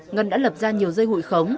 ngân đã lập ra nhiều dây hụi khống